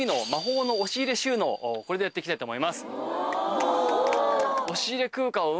これでやっていきたいと思います。